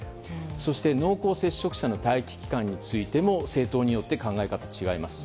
そして、濃厚接触者の待機期間についても政党によって考え方は違います。